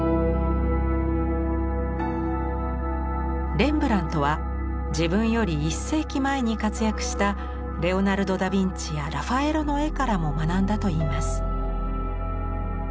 レンブラントは自分より１世紀前に活躍したレオナルド・ダ・ヴィンチやラファエロの絵からも学んだといいます。